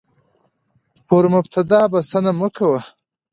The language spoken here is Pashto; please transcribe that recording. پر مبتدا بسنه مه کوه،